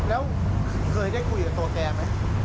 แล้วเคยได้คุยกับตัวแกไหม